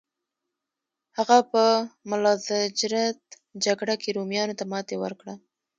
هغه په ملازجرد جګړه کې رومیانو ته ماتې ورکړه.